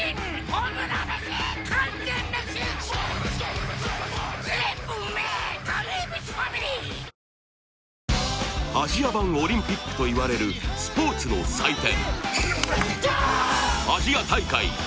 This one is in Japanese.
炎メシ完全メシアジア版オリンピックといわれるスポーツの祭典